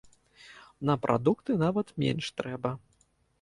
На прадукты нават менш трэба.